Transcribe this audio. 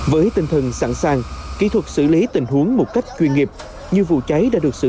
với tinh thần sẵn sàng kỹ thuật xử lý tình huống một cách chuyên nghiệp như vụ cháy đã được xử lý